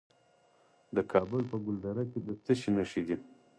د کابل په ګلدره کې د څه شي نښې دي؟